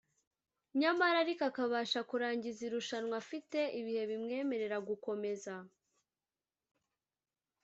nyamara ariko akabasha kurangiza irushanwa afite ibihe bimwemerera gukomeza